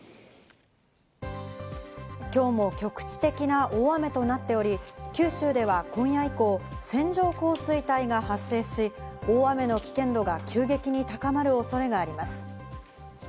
今日も局地的な大雨となっており、九州では今夜以降、線状降水帯が発生し、大雨の危険度が急激に高まる恐れがあります。